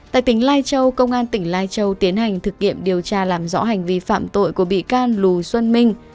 tại tỉnh lai châu công an tỉnh lai châu tiến hành thực nghiệm điều tra làm rõ hành vi phạm tội của bị can lù xuân minh